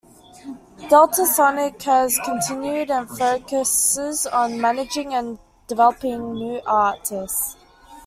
Deltasonic has continued and focuses on managing and developing new artists.